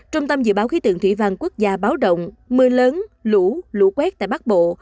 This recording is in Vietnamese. trung tâm dự báo khí tượng thủy văn quốc gia báo động mưa lớn lũ lũ quét tại bắc bộ